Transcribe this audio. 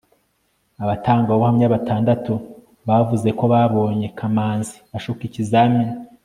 abatangabuhamya batandatu bavuze ko babonye kamanzi ashuka ikizamini